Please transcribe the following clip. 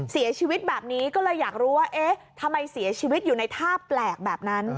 เสียชีวิตแบบนี้ก็เลยอยากรู้ว่าเอ๊ะทำไมเสียชีวิตอยู่ในท่าแปลกแบบนั้น